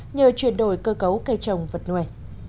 nhờ chuyển đổi cơ cấu cây trồng vật nuôi